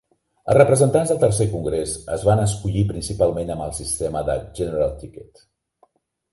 Els representants del tercer congrés es van escollir principalment amb el sistema de "General ticket".